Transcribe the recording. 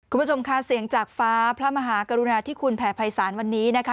คุณผู้ชมค่ะเสียงจากฟ้าพระมหากรุณาที่คุณแผ่ภัยศาลวันนี้นะคะ